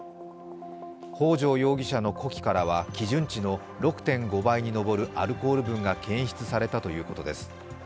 北條容疑者の呼気からは基準値の６．５倍にのぼるアルコール分が検出されたということです。